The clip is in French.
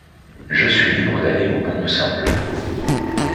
Je suis libre d'aller où bon me semble.